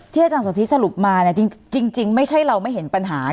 ที่อาจารย์สวทธิสรุปมาจริงไม่ใช่เราไม่เห็นปัญหา